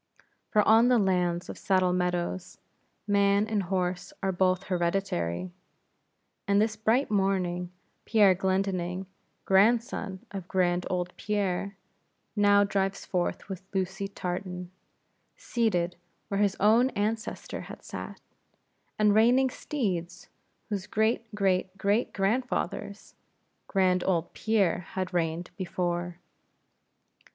For on the lands of Saddle Meadows, man and horse are both hereditary; and this bright morning Pierre Glendinning, grandson of grand old Pierre, now drives forth with Lucy Tartan, seated where his own ancestor had sat, and reining steeds, whose great great great grandfathers grand old Pierre had reined before.